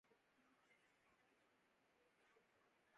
یہ مسائل تصوف یہ ترا بیان غالبؔ